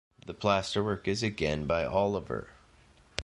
The plasterwork is again by Oliver.